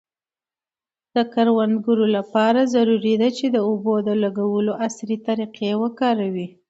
د کروندګرو لپاره ضروري ده چي د اوبو د لګولو عصري طریقې وکاروي.